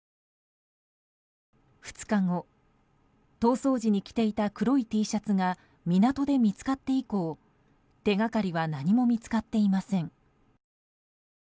２日後逃走時に着ていた黒いＴシャツが港で見つかって以降、手掛かりは何も見つかっていません。